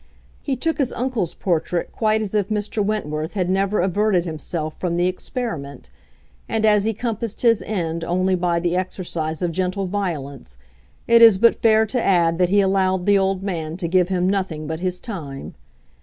He took his uncle's portrait quite as if Mr. Wentworth had never averted himself from the experiment; and as he compassed his end only by the exercise of gentle violence, it is but fair to add that he allowed the old man to give him nothing but his time.